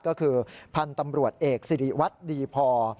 ก็คือพันธุ์ตำรวจเอกสิริวัตรดีพอ